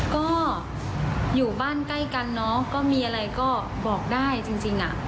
ก็อยู่บ้านใกล้กันเนอะก็มีอะไรก็บอกได้จริงอ่ะ